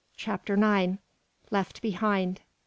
CHAPTER NINE. LEFT BEHIND.